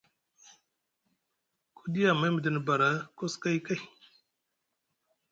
Ku ɗiya amay midini bara koskoy kay.